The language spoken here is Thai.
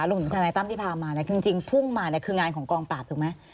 ทนายตั้มที่พามาเนี่ยจริงพุ่งมาเนี่ยคืองานของกองปราบถูกไหม